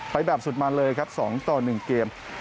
ไปแบบสุดมันเลยครับ๒ต่อ๑เกม